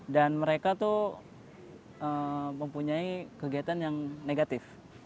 dan mereka tuh mempunyai kegiatan yang negatif